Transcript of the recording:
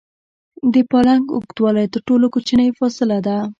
د پلانک اوږدوالی تر ټولو کوچنۍ فاصلې ده.